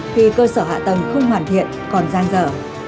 khi cơ sở hạ tầng không hoàn thiện còn giang dở